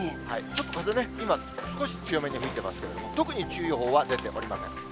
ちょっと風ね、今、少し吹いてますけれども、特に注意報は出ておりません。